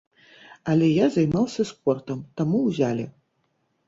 Але я займаўся спортам, таму ўзялі.